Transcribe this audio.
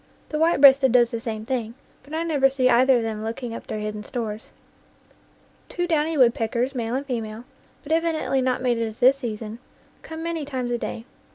The white breasted does the same thing, but I never see either of them looking up their hidden stores. Two downy woodpeckers, male and female, but evidently not mated at this season, come many times a day.